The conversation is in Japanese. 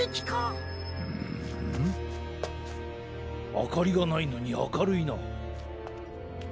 あかりがないのにあかるいな。